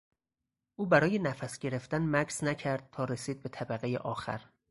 او برای نفس گرفتن مکث نکرد تا رسید به طبقهی آخر.